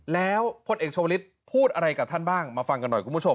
แล้วพลเอกชาวลิศพูดอะไรกับท่านบ้างมาฟังกันหน่อยคุณผู้ชม